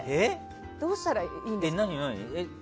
どうしたらいいんですか？